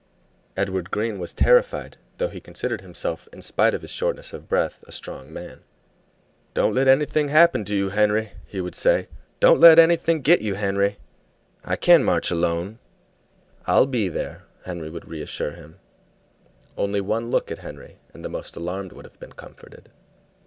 Edward Green was terrified, though he considered himself, in spite of his shortness of breath, a strong man. "Don't let anything happen to you, Henry," he would say. "Don't let anything get you, Henry. I can't march alone." "I'll be there," Henry would reassure him. Only one look at Henry, and the most alarmed would have been comforted.